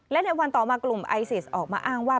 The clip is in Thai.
และในวันต่อมากลุ่มไอซิสออกมาอ้างว่า